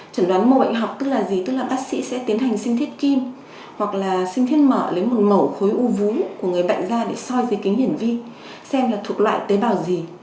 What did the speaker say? chuẩn đoán mổ bệnh học tức là gì tức là bác sĩ sẽ tiến hành sinh thiết kim hoặc là sinh thiết mở lấy một mẫu khối u của người bệnh ra để soi dưới kính hiển vi xem là thuộc loại tế bào gì